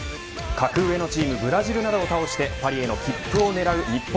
格上のチームブラジルなどを倒してパリへの切符を狙う日本。